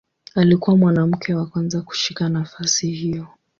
Alikuwa mwanamke wa kwanza kushika nafasi hiyo.